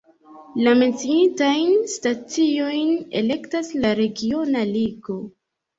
La menciitajn staciojn elektas la regiona ligo.